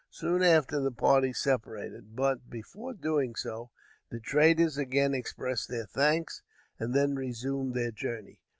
Soon after the parties separated, but, before doing so, the traders again expressed their thanks, and then resumed their journey.